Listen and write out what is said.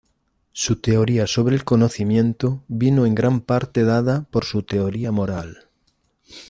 Su teoría sobre el conocimiento vino en gran parte dada por su teoría moral.